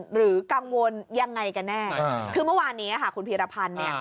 หรือกังวลยังไงกันแน่คือเมื่อวานนี้ค่ะคุณพีรพันธ์เนี่ย